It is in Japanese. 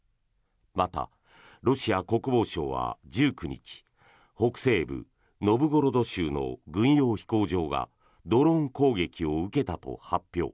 また、ロシア国防省は１９日北西部ノブゴロド州の軍用飛行場がドローン攻撃を受けたと発表。